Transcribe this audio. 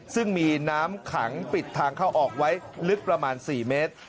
ซึ่งมีน้ำขังปิดทางเข้าออกไว้ลึกประมาณ๔เมตร